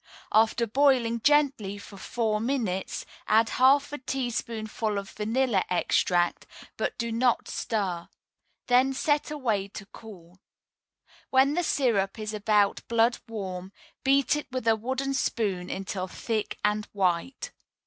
After boiling gently for four minutes, add half a teaspoonful of vanilla extract, but do not stir; then set away to cool. When the syrup is about blood warm, beat it with a wooden spoon until thick and white.